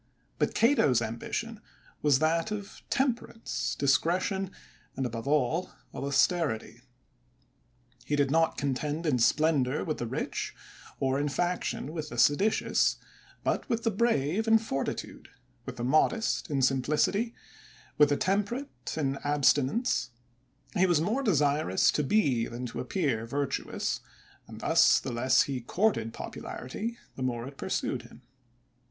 But Cato*s ambition was that of temperance, discretion, and, above all, of aus terity; he did not contend in splendor with therich^ orin faction with the seditious, but with the brave in fortitude, with the modest in simplicity, with the temperate in abstinence; he was more desir ous to be, than to appear, virtuous; and thus, the less he courted popularity, the more it pursued bim."